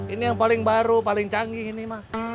ini yang paling baru paling canggih ini mah